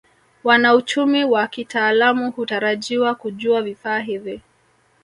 Wanauchumi wa kitaalamu hutarajiwa kujua vifaa hivi